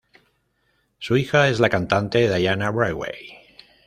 Su hija es la cantante Diana Braithwaite.